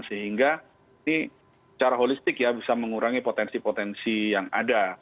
sehingga ini secara holistik ya bisa mengurangi potensi potensi yang ada